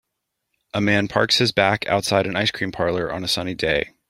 A man parks his back outside an ice cream parlor on a sunny day.